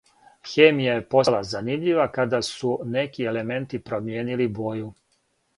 Хемија је постала занимљива када су неки елементи промијенили боју.